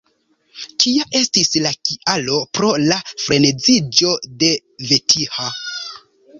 Kia estis la kialo pro la freneziĝo de Vetiha?